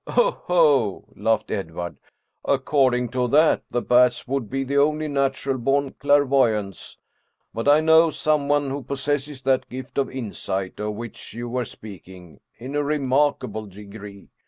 " Oho," laughed Edward, " according to that, the bats would be the only natural born clairvoyants. But I know some one who possesses that gift of insight, of which you German Mystery Stories were speaking, in a remarkable degree.